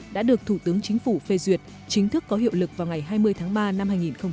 đã được thủ tướng chính phủ phê duyệt chính thức có hiệu lực vào ngày hai mươi tháng ba năm hai nghìn hai mươi